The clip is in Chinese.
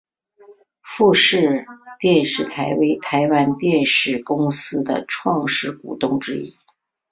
富士电视台为台湾电视公司的创始股东之一。